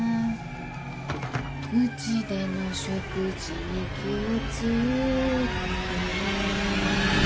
うちでの食事に気をつけて